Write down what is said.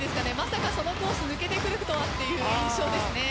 まさか、このコース抜けてくるとはという印象です。